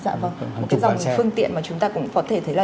một cái dòng phương tiện mà chúng ta cũng có thể thấy là